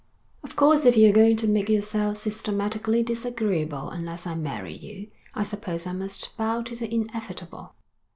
'Of course if you're going to make yourself systematically disagreeable unless I marry you, I suppose I must bow to the inevitable.'